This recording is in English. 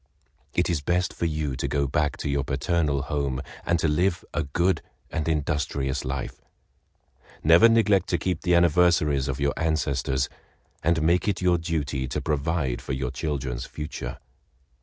It is best for you to go back to your paternal home, and to live a good and industrious life. Never neglect to keep the anniversaries of your ancestors, and make it your duty to provide for your children's future.